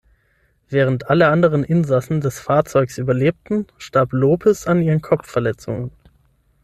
Während alle anderen Insassen des Fahrzeugs überlebten, starb Lopes an ihren Kopfverletzungen.